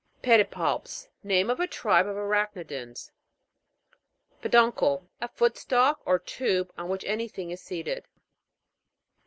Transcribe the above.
PE'DIPALPS. Name of a tribe of arach'nidans. PE'DUNCLE. A foot stalk or tube on which anything is seated.